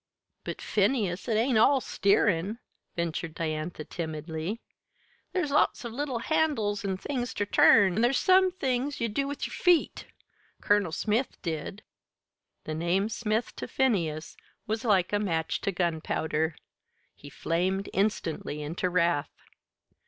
"But, Phineas, it ain't all steerin'," ventured Diantha, timidly. "There's lots of little handles and things ter turn, an' there's some things you do with your feet. Colonel Smith did." The name Smith to Phineas was like a match to gunpowder. He flamed instantly into wrath.